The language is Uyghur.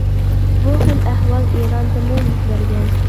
بۇ خىل ئەھۋال ئىراندىمۇ يۈز بەرگەن.